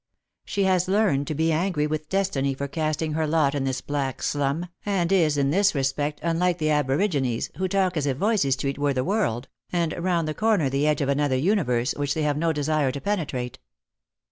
She has learned to be angry with destiny for casting her lot in this back slum, and is in this respect unlike the aborigines, who talk as if Voysey street were the world, and round the corner the edge of another universe which they have no desire to penetrate.